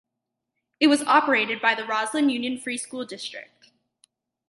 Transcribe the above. It was operated by the Roslyn Union Free School District.